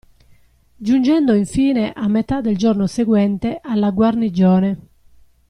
Giungendo infine, a metà del giorno seguente, alla guarnigione.